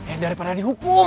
eh daripada dihukum